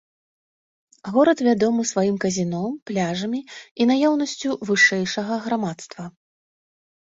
Горад вядомы сваім казіно, пляжамі і наяўнасцю вышэйшага грамадства.